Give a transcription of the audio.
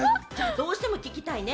どうしても聞きたいね。